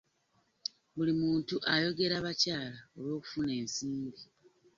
Buli muntu ayogera bakyala olw'okufuna ensimbi.